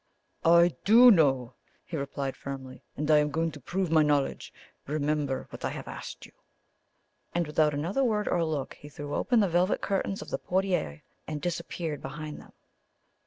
"I DO know," he replied firmly; "and I am going to prove my knowledge. Remember what I have asked you." And without another word or look, he threw open the velvet curtains of the portiere, and disappeared behind them.